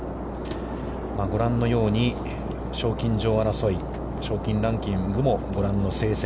ご覧のように、賞金女王争い、賞金ランキングもご覧の成績。